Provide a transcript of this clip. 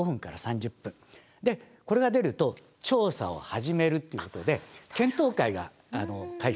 これが出ると調査を始めるっていうことで検討会が開催されます。